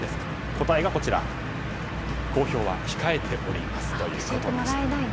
答えは、公表は控えておりますということでした。